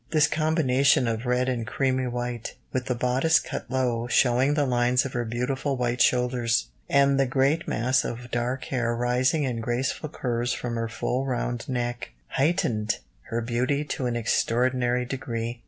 This combination of red and creamy white, with the bodice cut low, showing the lines of her beautiful white shoulders, and the great mass of dark hair rising in graceful curves from her full round neck, heightened her beauty to an extraordinary degree.